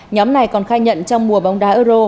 nhóm này còn khai nhận trong mùa bóng đá euro